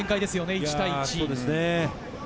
１対１。